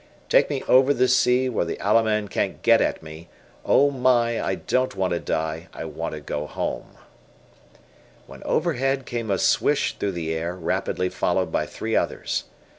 Take me over the sea, where the Allemand can't get at me, Oh, my, I don't want to die, I want to go home" when overhead came a "swish" through the air, rapidly followed by three others.